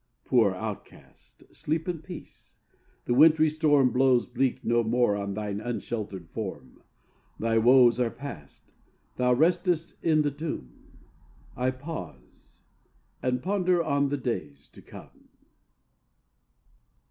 Poor Outcast sleep in peace! the wintry storm Blows bleak no more on thine unshelter'd form; Thy woes are past; thou restest in the tomb; I pause and ponder on the days to come.